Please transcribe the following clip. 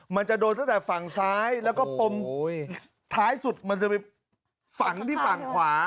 มันจะโดนตั้งแต่ฝั่งซ้ายแล้วก็ปมท้ายสุดมันจะไปฝังที่ฝั่งขวา